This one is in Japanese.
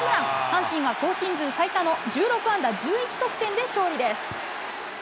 阪神は今シーズン最多の１６安打１１得点で勝利です。